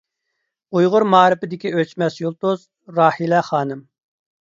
ئۇيغۇر مائارىپىدىكى ئۆچمەس يۇلتۇز — راھىلە خانىم.